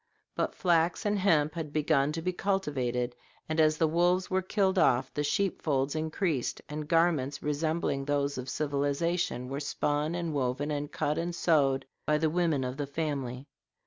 But flax and hemp had begun to be cultivated, and as the wolves were killed off the sheep folds increased, and garments resembling those of civilization were spun and woven, and cut and sewed, by the women of the family.